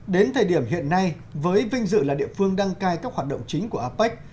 đến thời điểm hiện nay với vinh dự là địa phương đăng cai các hoạt động chính của apec